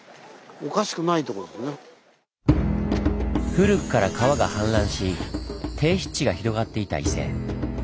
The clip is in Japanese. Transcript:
古くから川が氾濫し低湿地が広がっていた伊勢。